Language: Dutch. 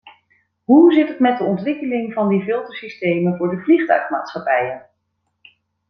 Hoe zit het met de ontwikkeling van die filtersystemen voor de vliegtuigmaatschappijen?